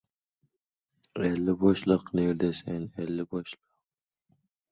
Biz birodarkushlik urushlaridan juda charchadik.